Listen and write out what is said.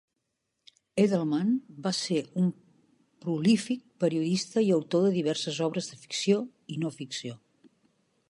Edelman va ser un prolífic periodista i autor de diverses obres de ficció i no ficció.